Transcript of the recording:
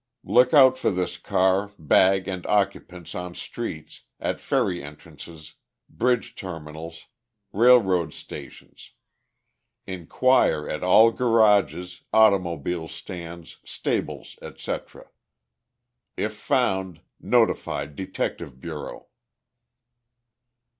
Look out for this car, bag and occupants on streets, at ferry entrances, bridge terminals, railroad stations. Inquire at all garages, automobile stands, stables, etc. If found, notify Detective Bureau.